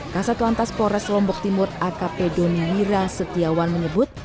kasatuan taspores lombok timur akp doniwira setiawan menyebut